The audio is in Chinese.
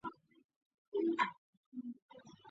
而赫梅尔尼茨基的大军一直都在向西进发。